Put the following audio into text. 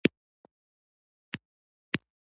یو درملتون باید څلور ویشت ساعته خلاص وي